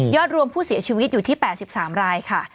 รวมผู้เสียชีวิตอยู่ที่๘๓รายค่ะ